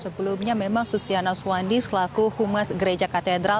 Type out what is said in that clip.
sebelumnya memang susyana swandi selaku humus gereja katedral